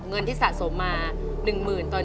เงินที่สะสมมา๑๐๐๐๐ตอนนี้